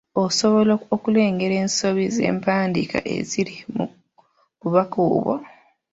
Osobola okulengera ensobi z’empandiika eziri mu bubaka obwo?